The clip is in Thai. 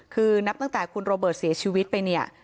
คือนับตั้งแต่คุณโรเบิร์ตเสียชีวิตไปเนี่ย